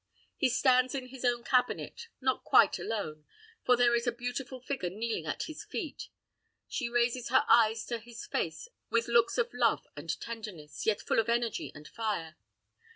He stands in his own cabinet, not quite alone; for there is a beautiful figure kneeling at his feet. She raises her eyes to his face with looks of love and tenderness, yet full of energy and fire.